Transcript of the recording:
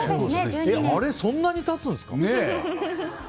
あれそんなに経つんですか？